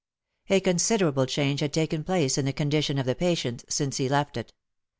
A considerable change had taken place in the condition of the patient since he left it.